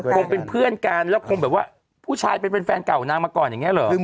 คงเป็นเพื่อนกันแล้วคงแบบว่าผู้ชายเป็นแฟนเก่านางมาก่อนอย่างนี้เหรอ